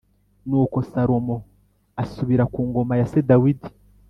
Nuko Salomo asubira ku ngoma ya se Dawidi